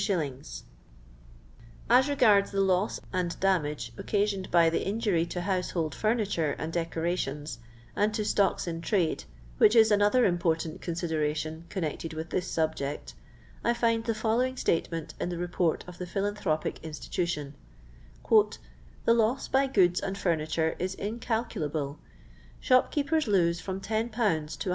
103 Ai regardf the Iom and damage occanoned by the injury to hontehold fiirnitare and deeorations, and to stodu in trade, which ia another important consideration connected with this subject, I find the following statement in the Report of the Phi lanthropic Institution :—" The loss by goods and furniture is incalculable: shopkeepers lose from lOL to 150